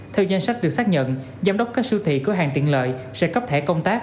theo danh sách được xác nhận giám đốc các siêu thị cửa hàng tiện lợi sẽ cấp thẻ công tác